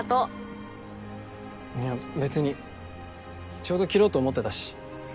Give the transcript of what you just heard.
ちょうど切ろうと思ってたし。